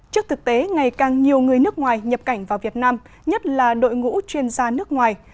trước thực tế ngày càng nhiều người nước ngoài nhập cảnh vào việt nam nhất là đội ngũ chuyên gia nước ngoài